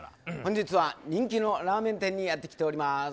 本日は人気のラーメン店にやってきております。